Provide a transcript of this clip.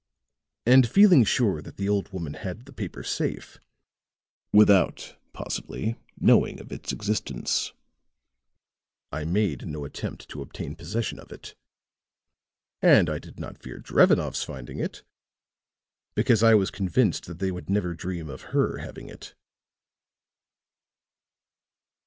And feeling sure that the old woman had the paper safe, without, possibly, knowing of its existence, I made no attempt to obtain possession of it. And I did not fear Drevenoff's finding it, because I was convinced that they would never dream of her having it."